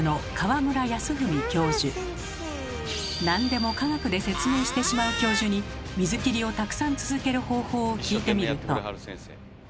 何でも科学で説明してしまう教授に水切りをたくさん続ける方法を聞いてみると。